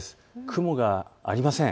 雲がありません。